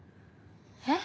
えっ？